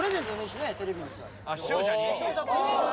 視聴者に？